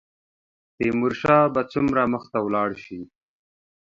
تیمورشاه به څومره مخته ولاړ شي.